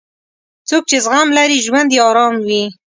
څوک چې زغم لري، ژوند یې ارام وي.